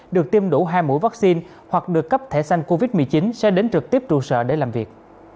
được tiêm đủ hai mũi vaccine hoặc được cấp thẻ xanh covid một mươi chín sẽ đến trực tiếp trụ sở để làm việc